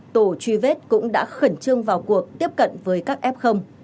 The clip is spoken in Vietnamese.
tổ truy vết cũng đã khẩn trương vào cuộc tiếp cận với các f